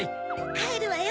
かえるわよ